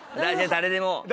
誰でも。